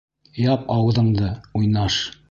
Яп ауыҙыңды, уйнаш!